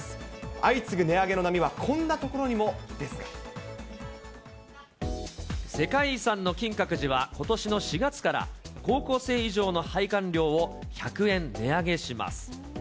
相次ぐ値上げの波は、こんなところにもで世界遺産の金閣寺は、ことしの４月から、高校生以上の拝観料を１００円値上げします。